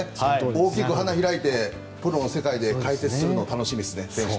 大きく花開いてプロの世界で解説するのが楽しみですね。